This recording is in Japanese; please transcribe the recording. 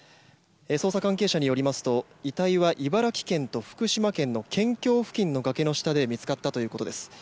捜査関係者によりますと遺体は茨城県と福島県の県境付近の崖の下で見つかったということです。